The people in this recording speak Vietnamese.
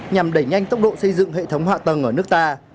nhằm đẩy nhanh tốc độ xây dựng hệ thống hạ tầng ở nước ta